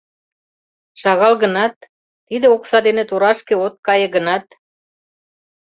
Шагал гынат, тиде окса дене торашке от кае гынат.